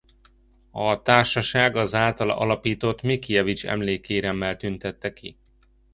A Társaság az általa alapított Mickiewicz-emlékéremmel tüntette ki.